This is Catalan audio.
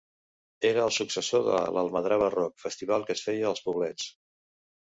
Era el successor de l'Almadrava Rock, festival que es feia als Poblets.